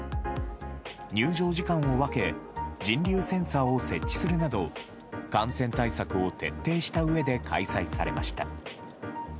入場時間を分け、人流センサーを設置するなど、感染対策を徹底したうえで開催されました。